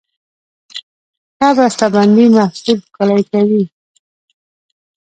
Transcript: ښه بسته بندي محصول ښکلی کوي.